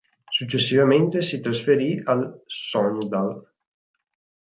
Successivamente, si trasferì al Sogndal.